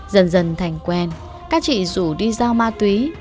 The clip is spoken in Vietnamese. dần dần thành quen các chị rủ đi giao ma túy